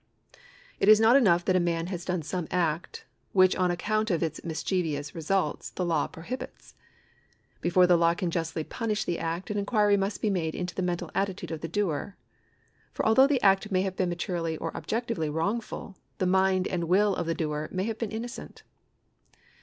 It is not enough that a man has done some act which on account of its mischievous results the law prohibits ; before the law can justly punish the act, an inquiry must be made into the mental attitude of the doer. For although the act may have been materially or objectively wrongful, the mind and will of the doer may have been innocent.